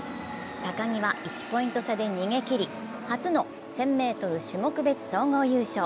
高木は１ポイント差で逃げ切り、初の１０００ｍ種目別総合優勝。